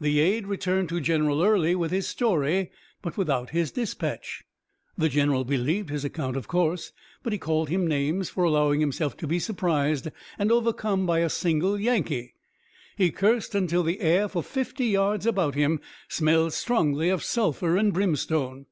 "The aide returned to General Early with his story, but without his dispatch. The general believed his account, of course, but he called him names for allowing himself to be surprised and overcome by a single Yankee. He cursed until the air for fifty yards about him smelled strongly of sulphur and brimstone."